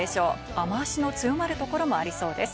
雨脚の強まるところもありそうです。